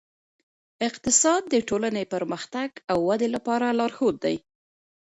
اقتصاد د ټولنې پرمختګ او ودې لپاره لارښود دی.